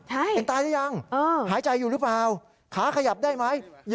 ใช่เออหายใจอยู่หรือเปล่าขาขยับได้ไหม